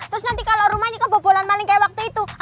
terus nanti kalau rumahnya kebobolan maling kayak waktu itu